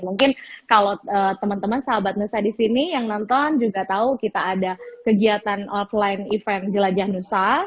mungkin kalau teman teman sahabat nusa di sini yang nonton juga tahu kita ada kegiatan offline event jelajah nusa